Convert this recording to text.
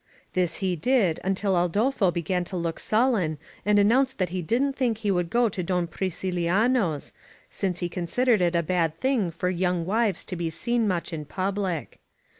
This he did until Adolfo began to look sullen and announced that he didn't think he would go to Don Priciliano's, since he considered it a bad thing for young wives to be seen much in public.